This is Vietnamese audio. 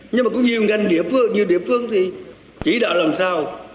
nhưng mà có nhiều ngành nhiều địa phương thì chỉ đạo làm sao